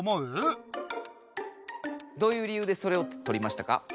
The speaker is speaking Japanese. どういう理由でそれをとりましたか？